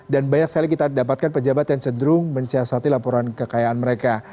dan banyak sekali kita dapatkan pejabat yang cenderung mencihastati laporan kekayaan mereka